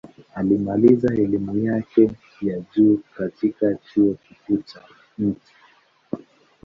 Alimaliza elimu yake ya juu katika Chuo Kikuu cha Mt.